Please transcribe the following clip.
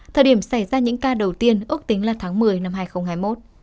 thời điểm xảy ra những ca đầu tiên ước tính là tháng một mươi năm hai nghìn hai mươi một